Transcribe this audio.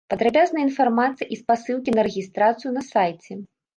Падрабязная інфармацыя і спасылкі на рэгістрацыю на сайце.